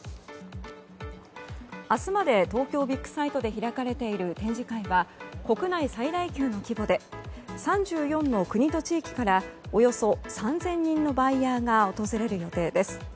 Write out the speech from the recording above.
明日まで、東京ビッグサイトで開かれている展示会は国内最大級の規模で３４の国と地域からおよそ３０００人のバイヤーが訪れる予定です。